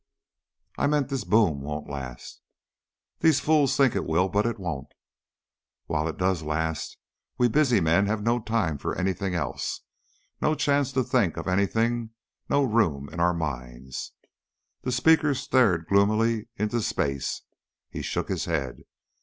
"I mean this boom won't last. These fools think it will, but it won't. While it does last, we busy men have no time for anything else, no chance to think of anything, no room in our minds " The speaker stared gloomily into space. He shook his head.